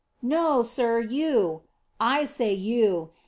"No, sir, you." "I say you."